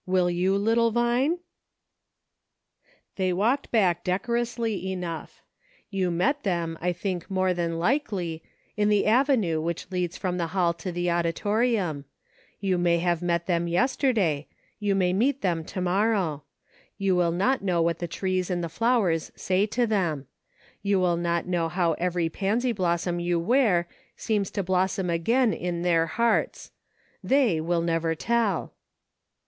Will you, little Vine .?" They walked back decorously enough ; you met them, I think more than likely, in the avenue which leads from the hall to the auditorium ; you may have met them yesterday, you may meet them to morrow ; you will not know what the trees and the flowers say to them ; you will not know how every pansy blossom you wear seems to blossom again in their hearts : they will never tell.